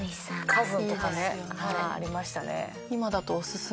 『カズン』とかねありましたね。